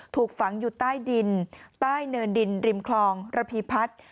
ถูกฝังอยู่ใต้ดินใต้เนินดินริมคลองระพีพัฒน์